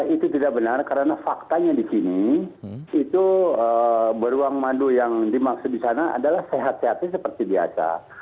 itu tidak benar karena faktanya di sini itu beruang madu yang dimaksud di sana adalah sehat sehatnya seperti biasa